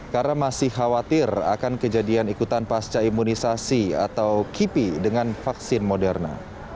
karena masih khawatir akan kejadian ikutan pasca imunisasi atau kipi dengan vaksin moderna